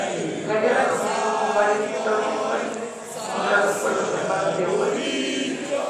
La guerra comenzó con varias victorias fáciles contra las Fuerzas Armadas de Omán.